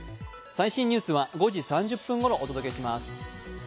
最新ニュースは５時３０分ごろお伝えします。